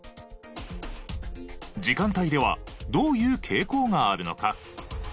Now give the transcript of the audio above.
時間帯ではどういう傾向があるのか？